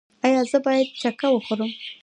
ایا زه باید چکه وخورم؟